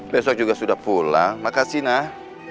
besok juga sudah pulang makasih nah